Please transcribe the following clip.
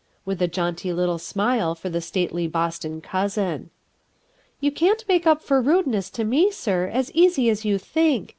with a 'jaunty^! tie smile for the stately Boston cousin. "You can't make up for rudeness to me, sir, as easy as you think.